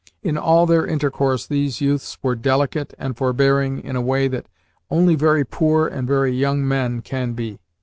In all their intercourse these youths were delicate and forbearing in a way that only very poor and very young men can be.